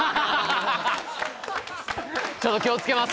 ちょっと気をつけます